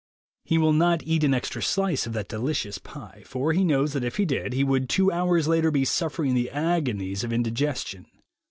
He will not eat an extra slice of that delicious pie, for he knows that if he did he would two hours later be suffer ing the agonies of indigestion.